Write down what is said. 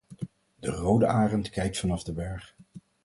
De rode arend kijkt vanaf de berg.